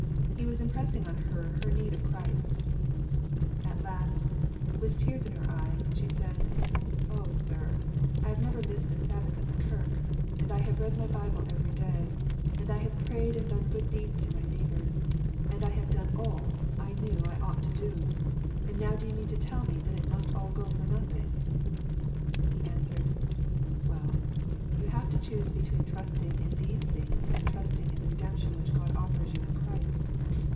He was impressing on her her need of Christ. 31 (ftujr. At last, with tears in her eyes, she said, " Oh, sir, I have never missed a Sabbath at the kirk ; and I have read my Bible every day ; and I have prayed and done good deeds to my neighbours ; and I have done all I knew I ought to do : and now do you mean to tell me that it must all go for nothing ?" He answered, " Well, you have to choose between trusting in these and trusting in the redemption which God offers you in Christ.